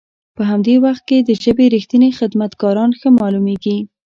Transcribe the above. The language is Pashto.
په همدي وخت کې د ژبې رښتني خدمت کاران ښه مالومیږي.